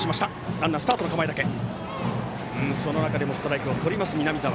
その中でもストライクをとる南澤。